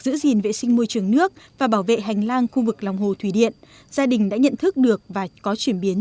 giữ gìn vệ sinh môi trường nước và bảo vệ hành lang khu vực lòng hồ thủy điện gia đình đã nhận thức được và có chuyển biến